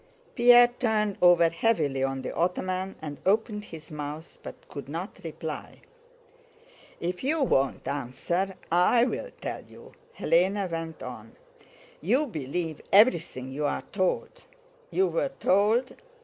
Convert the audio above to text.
Pierre turned over heavily on the ottoman and opened his mouth, but could not reply. "If you won't answer, I'll tell you..." Hélène went on. "You believe everything you're told. You were told..."